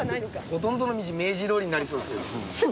ほとんどの道明治通りになりそうです。